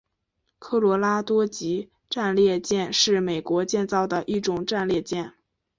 科罗拉多级战列舰是美国建造的一种战列舰。